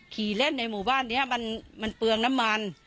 ขี่เล่นในหมู่บ้านนี้มันเปลืองน้ำมัน